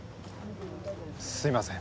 すいません